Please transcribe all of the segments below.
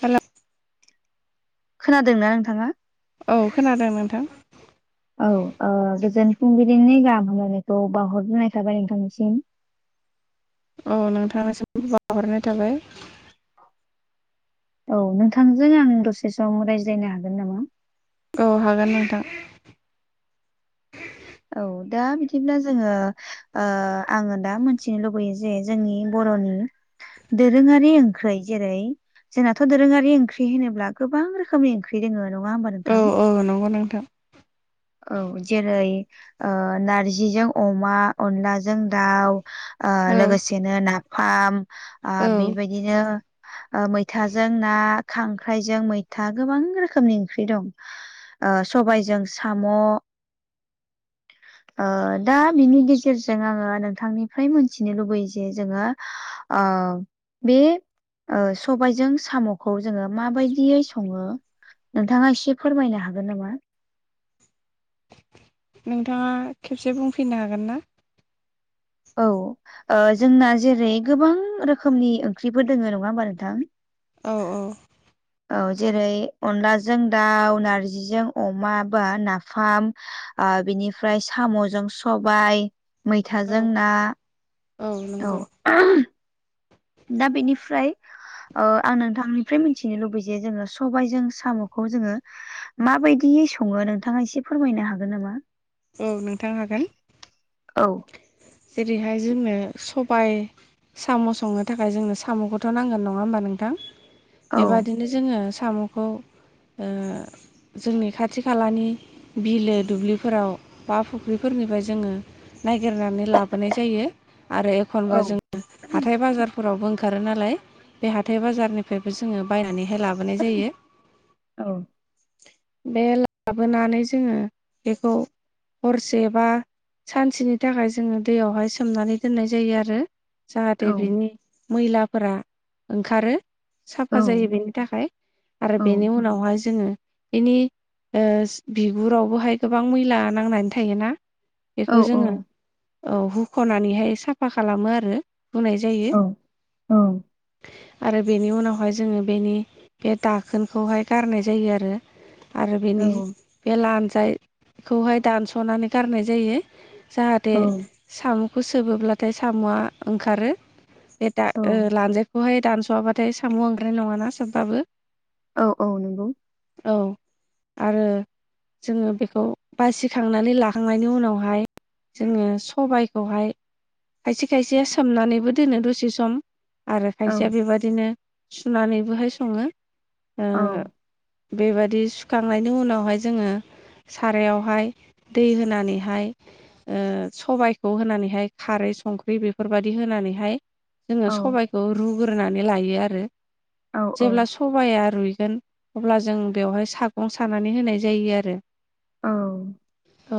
Hello खोनादोंना नोंथाङा औ खोनादों नोंथां औ ओ गोजोन फुंबिलिनि गाहाम हामलायनायखौ बावहरग्रोनाय थाबाय नोंथांनिसिम औ नोंथांनिसिमबो बावहरनाय थाबाय औ नोंथांजों आं दसे सम रायज्लायनो हागोन नामा औ हागोन नोंथां औ दा बिदिब्ला जोङो ओ आङो दा मोनथिनो लुबैयो जे जोंनि बर'नि दोरोङारि ओंखै जेरै जोंनाथ दोरोङारि ओंख्रि होनोब गोबां रोखोमनि ओंख्रि दोङो नङा होमबा औ नोंथां? औ नंगौ नोंथां औ जेरै ओ नारजिजों अमा अनलाजों दाउ ओ औ लोगोसेनो नाफाम ओ औ बेबायदिनो मैथाजों ना खांख्राइजों मैथा गोबां रोखोमनि ओंख्रि दं ओ सबायजों साम [inaudible] ओ दा बिनि गेजेरजों आङो नोंथांनिफ्राय मोनथिनो लुबैयो जे जोङो आ बे ओ सबायजों सामखौ जोङो माबायदियै सङो नोंथाङा एसे फोरमायनो हागोन नामा नोंथाङा खेबसे बुंफैनो हागोनना औ ओ जोंना जेरै गोबां रोखोमनि ओंख्रिफोर दोङो नङा होमबा नोंथां औ औ औ जेरै अनलाजों दाउ नारजिजों अमा बा नाफाम आ बिनिफ्राय सामजों सबाय औ मैथाजों ना औ दा बेनिफ्राय ओ आं नोंथांनिफ्राय मिथिनो लुबैयो जे जोङो सबायाइजों सामखौ जोङो माबायदियै सङो नोंथाङा एसे फोरमायनो हागोन नामा औ नोंथां हागोन औ जेरैहाय जोंनो सबाय साम संनो थाखाय जोंनो सामखौथ नांगोन नङा होमबा नोंथां औ बेबादिनो जोङो साम खौ ओ जोंनि खाथि खालानि बिलो दुब्लिफोराव बा फुख्रिफोरनिफ्राय जोङो नागिरनानै लाबोनाय जायो आरो एखनबा औ जों हाथाय बाजारफोरावबो ओंखारो नालाय बे हाथाय बाजारनिफ्रायबो जोङो बायनानैहाय ला बोनाय जायो औ बे लाबोनानै जोङो बेखौ हरसे बा सानसेनि थाखाय जोङो दैयावहाय सोमनानै दोननाय जायो आरो जाहाथे औ बिनि मैलाफोरा ओंखारो औ साफा जायो बेनि थाखाय आरो औ बेनि उनावहाय जोङो बेनि ओ बिगुरावबोहाय गोबां मैला नांनानै थायोना औ बेखौ जोङो औ हुख'नानैहाय साफा खालामो आरो हुनाय जायो औ आरो बेनि उनावहाय जोङो बेनि बे दाखोनखौहाय गारनाय जायो आरो। आरो बेनि औ बे लान्जाखौहाय दानस'नानै गारनाय जायो। जाहाथे साम'खौ सोबोब्लाथाय साम'आ ओंखारो बे दा औ ओ लानजायखौहाय दानस'वाबाथाय साम' ओंख्रानाय नङाना सोबबाबो औ औ नंगौ औ आरो जोङो बेखौ बासि खांनानै लाखांनायनि उनावहाय जोङो सबाइखौहाय खायसे खायसेया सोमनानैबो दोनो दसे सम आरो औ खायसेया बेबादिनो सुनानैबोहाय सङो ओ औ बेबायदि सुखांनायनि उनावहाय जोङो सारायावहाय दै होनानैहाय ओ सबाइखौ होनानैहाय खारै संख्रि बेफोरबायदि होनानैहाय औ जोङो सबाइखौ रुग्रोनानै लायो आरो औ जेब्ला औ सबाइया रुइगोन अब्ला जों बेवहाय सागं सानानै होनाय जायो आरो औ औ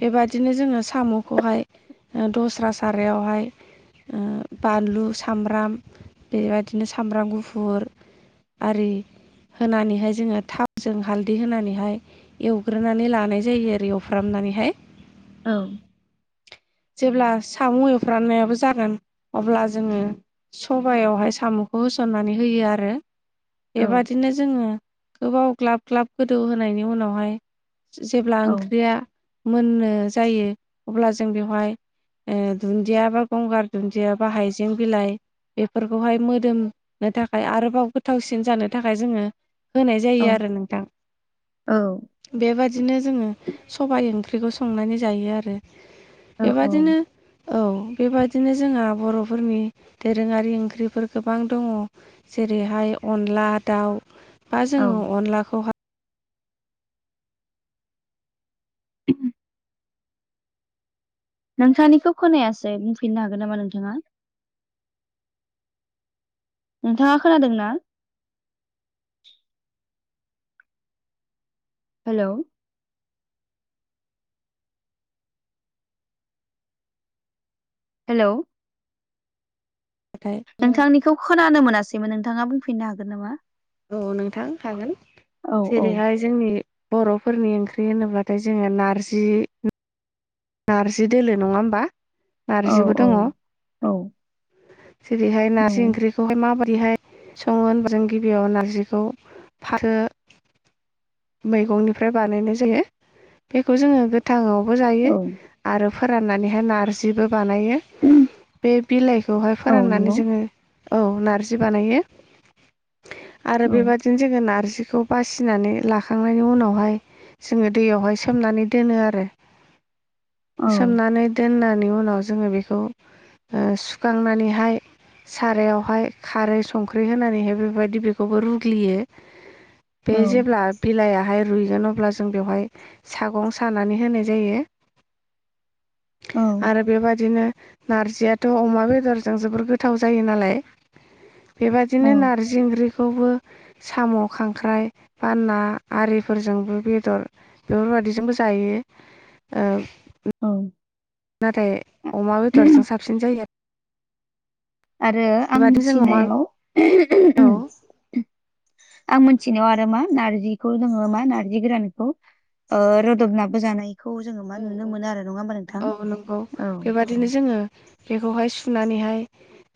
बेबादिनो जोङो साम'खौहाय दस्रा सारायावहाय ओ बानलु सामब्राम बेबायदिनो सामब्राम गुफुर आरि होनानैहाय जोङो थावजों हालदै होनानैहाय एवग्रोनानै लानाय जायो आरो एवफ्रामनानैहाय औ जेब्ला सा एवफ्राननायाबो जागोन अब्ला जोङो सबाइयावहाय साम'खौ होसननानै होयो आरो औ बेबादिनो जोङो गोबाव ग्लाब ग्लाब गोदौ होनायनि उनावहाय जेब्ला औ ओंख्रिया मोननो जायो अब्ला जों बेवहाय ओ दुन्दियाबा गंगार दुन्दियाबा हाइजें बिलाइ बेफोरखौहाय मोदोमनो थाखाय आरोबाव गोथावसिन जानो थाखाय जोङो होनाय जायो आरो नोंथां औ बेबा दिनो जोङो सबाइ ओंख्रिखौ संनानै जायो आरो औ बेबादिनो औ बेबायदिनो जोंहा बर'फोरनि दोरोङारि ओंख्रिफोर गोबां दङ। जेरैहाय अनला दाउ बा जोङो औ अनलाखौहा [inaudible] नोंथांनिखौ खोनायासै बुंफिननो हागोन नामा नोंथाङा नोंथाङा खोनादों ना? हेलौ हेलौ [unintelligible] नोंथांनिखौ खोनानो मोनासैमोन नोंथाङा बुंफिननो हागोन नामा औ नोंथां हागोन औ औ जेरैहाय जोंनि बर'फोरनि ओंख्रि होनोब्लाथाय जोङो नारजि नार्जि दोलो नङा होमबा? औ नारजिबो औ दङ। औ जेरैहाय नंगौ नारजि ओंख्रि बेखौहाय माबादिहाय सङो होनबा जों गिबियाव नारजिखौ फाथो मैगंनिफ्राय बानायनाय जायो। बेखौ जोङो गोथाङावबो जायो। औ आरो फोराननानैहाय नारजिबो बानायो। बे बिलाइखौहाय औ फोराननानै नंगौ जोङो औ नारजि बानायो। आरो औ बेबादिनो जोङो नारजिखौ बासिनानै ला लाखांनायनि उनावहाय जोङो दैयावहाय सोमनानै दोनो। आरो औ सोमनानै दोननानि उनाव जोङो बेखौ ओ सुखांनानैहाय सारायावहाय खारै संख्रि होनानैहाय बेबायदि बेखौबो रुग्लियो। बे औ जेब्ला बिलायाहाय रुयगोन अब्ला जों बेवहाय सागं सानानै होनाय जायो। औ आरो बेबादिनो नार्जियाथ' अमा बेदरजों जोबोर गोथाव जायो नालाय। बेबदिनो औ नारजि ओंख्रिखौबो साम', खांख्राइ, बा ना आरिफोरजोंबो बेदर बेफोरबायदिजोंबो जायो। ओ औ नाथाय अमा बेदरजों साबसिन जायो। आरो आरो आं मिथिनायाव औ आं मोनथिनायाव आरो मा नार्जिखौ जोङो मा नार्जि गोरानखौ ओ रोदोबनाबो जानो हायो। औ औ औ नंगौ औ बेबादिनो जोङो बेखौहाय सुनानैहाय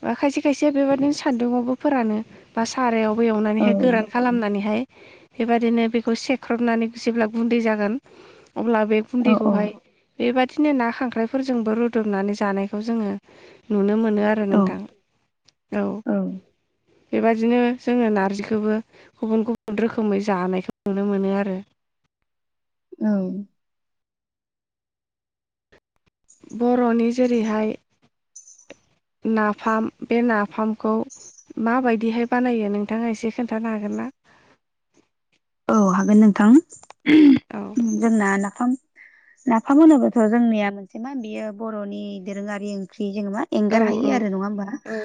बा खायसे खायसे बेबादिनो सान्दुआवबो फोरानो। बा सारायावबो औ एवनानैहाय गोरान खालामनानैहाय बेबादिनो बेखौ सेख्रबनानै जेब्ला गुन्दै जागोन। अब्ला बे औ औ गुन्दैखौहाय बेबादिनो ना खांख्राइफोरजोंबो रुदुबनानै जानायखौ जोङो नुनो मोनो आरो औ नोंथां औ। बेबदिनो जोङो नार्जिखौबो गुबुन गुबुन रोखोमै जानायखौ नुनो मोनो। आरो औ बर'नि जेरैहाय नाफाम बे नाफामखौ माबायदिहाय बानायो नोंथाङा एसे खोनथानो हागोन ना? औ हागोन नोंथां। औ उम जोंना नाफाम नाफाम होनोब्लाथ' जोंनिया मोनसे मा बियो बर'नि दोरोङारि ओंख्रि जोङो मा औ एंगार हायि औ आरो नङा होमबा औ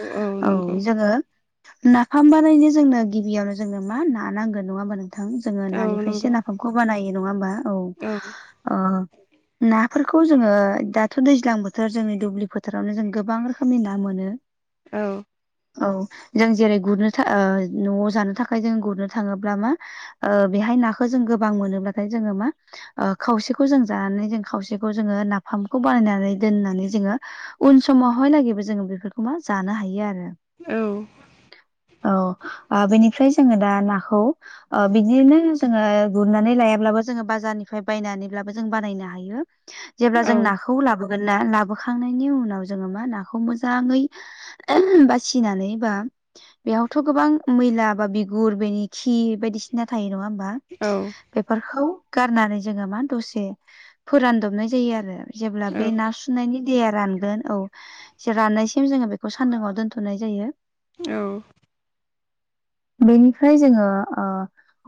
औ नंगौ जोङो नाफाम बानायनो जोंनो गिबियावनो जोंनो मा ना नांगोन नङा होमबा नोंथां। जोङो औ नानिफायसो नंगौ नाफामखौ बानायो नङा होमबा औ। नाफोरखौ जोङो दाथ' दैज्लां बोथोर जोंनि दुब्लि फोथोरावनो जों गोबां रोखोमनि ना मोनो। औ औ जों जेरै गुरनो था ओ न'आव जानो थाखाय जों गुरनो थाङोब्ला मा ओ बेहाय नाखो जों गोबां मोनोब्लाथाय जोङो मा ओ खावसेखौ जों जानानै जों खावसेखौ जोङो नाफामखौ बानायनानै दोननानै जोङो उन समावहायलागैबो जोङो बेफोरखौ मा जानो हायो। आरो औ औ ओ बेनिफ्राय जोङो दा नाखौ अ बिदिनो जोङो गुरनानै लायाब्लाबो जोङो बाजारनिफ्राय बायनानैब्लाबो जों बानायनो हायो। जेब्ला औ जों नाखौ लाबोगोन ना, लाबोखांनायनि उनाव जोङो मा नाखौ मोजाङै ओम बासिनानै बा बेयावथ' गोबां मैला बा बिगुर बेनि खि कि बायदिसिना थायो नङा होमबा? औ बेफोरखौ गारनानै जोङो मा दसे फोरानदबनाय जायो। आरो जेब्ला बे नासु सुुनायनि दैया रानगोन औ जे राननायसिम जोङो बेखौ सान्दुंङाव दोनथ'नाय जायो औ बेनिफ्राय जोङो ओ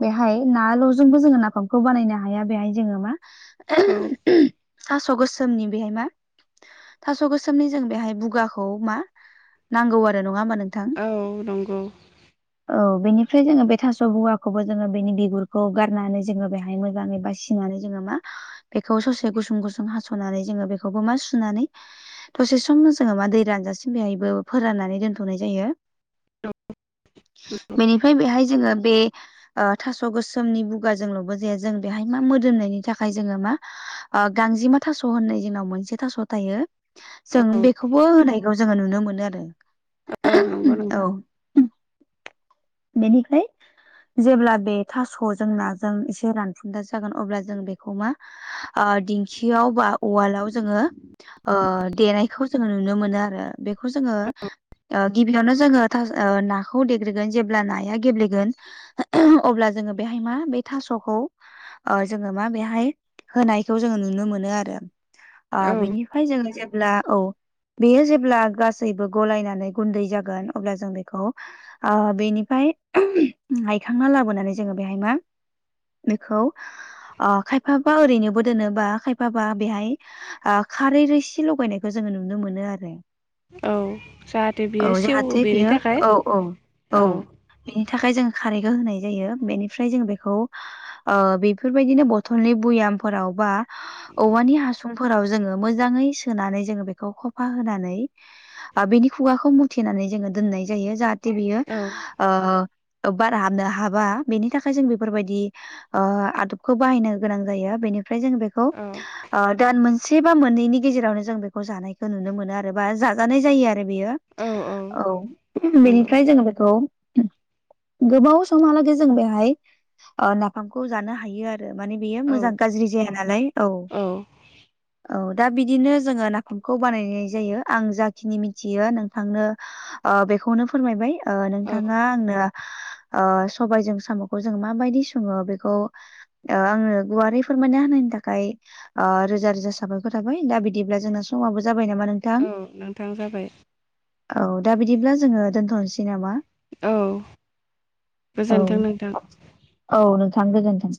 बेहाय नाल'जोंबो जोङो नाफामखौ बानायनो हाया बेहाय जोङो मा औ थास' गोसोमनि बेहाय मा थास' गोसोमनि जों बेहाय बुगाखौ मा नांगौ आरो नङा होमबा नोंथां? औ नंगौ औ बेनिफ्राय जोङो बे थास' बुगाखौबो जोङो बेनि बिगुरखौ गारनानै जोङो बेहाय मोजाङै बानानै जोङो मा बेखौ ससे गुसुं गुसुं हास'नानै जोङो बेखौबो मा सुनानै दसे समनो जोङो मा दै रानजासिम बेहायबो फोराननानै दोनथ'नाय जायो। बेनिफ्राय बेहाय जोङो बे ओ थास' गोसोमनि बुगा जोंल'बो जाया जों बेहाय मा मोदोमनायनि थाखाय जोङो मा अ गांजेमा थास' होननाय जोंनाव मोनसे थास' थायो। जों औ बेखौबो होनायखौ जोङो नुनो मोनो आरो औ नंगौ नोंथां औ बेनिफ्राय जेब्ला बे थास'जों नाजों एसे रानफुनदला जागोन अब्ला जों बेखौ मा ओ दिंखियाव बा उवालाव जोङो ओ देनायखौ जोङो नुनो मोनो आरो बेखौ जोङो ओ गिबियावनो जोङो नाखौ देग्रोगोन जे अब्ला नाया गेब्लेगोन अब्ला जोङो बेहाय मा बे थास'खौ अ जोङो मा बेहाय होनायखौ जोङो नुनो मोनो आरो अ औ बेनि ओमफाय जोङो जेब्ला औ बेयो जेब्ला गासैबो गलायनानै गुनदै जागोन अब्ला जों अ बेनि हायखांना लाबोनानै जोङो बेहाय मा बेखौ अ खायफाबा ओरैनोबो दोनोबा खायफाबा बेहाय ओ खारै रोसि लगायनायखौ जोङो नुनो मोनो आरो औ जाहाथे बियो औ सेवो जाहाथे बेनि बियो थाखाय औ औ औ बेनि थाखाय जों खारैखौ होनाय जायो बेनिफ्राय जों बेखौ बेफोरबायदिनो बथलनि बयामफोराव बा औवानि हासुं फोराव जोङो मोजाङै सोनानै जोङो बेखौ खफा होनानै ओ बिनि खुगाखौ मुथेनानै जोङो दोननाय जायो जाहाथे बियो औ ओ बार हाबनो हाबा बेनि थाखाय जों बेफोरबायदि ओ आदबखौ बाहायनो गोनां जायो बेनिफ्राय जों बेखौ औ ओ दान मोनसे बा मोननैनि गेजेरावनो जों बेखौ जानायखौ नुनो मोनो आरो बा जाजानाय जायो आरो बेयो औ नंगौ बेनिफ्राय जोङो बेखौ गोबाव समहालागै जों बेहाय नाफामखौ जानो हायो आरो माने बेयो औ मोजां गाज्रि जाया नालाय औ औ दा बिदिनो जोङो नाफामखौ बानायनाय जायो आं जाखिनि मिथियो नोंथांनो ओ बेखौनो फोरमायबाय औ नोंथाङा आंनो आ सबायजों साम'खौ जों माबायदि सङो बेखौ ओ आंनो गुवारै फोरमायना होनायनि थाखाय आ रोजा रोजा साबायफोर थाबाय दा बिदिब्ला जोंना समाबो जाबाय नामा नों औ नोंथां जाबाय औ दा बिदिब्ला जोङो दोनथ'नोसै नामा औ औ गोजोन्थों नोंथां औ नोंथां गोजोनथों